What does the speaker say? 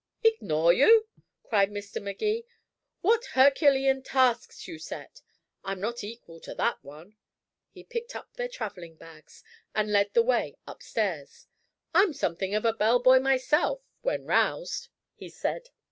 "Ignore you," cried Mr. Magee. "What Herculean tasks you set. I'm not equal to that one." He picked up their traveling bags and led the way up stairs. "I'm something of a bell boy myself, when roused," he said.